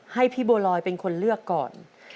ให้พี่บัวลอยเป็นคนเลือกก่อน